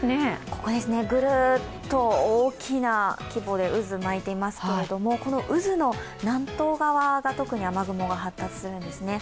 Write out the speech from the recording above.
ここ、ぐるーっと大きな規模で渦巻いていますけどもこの渦の南東側が特に雨雲が発達するんですね。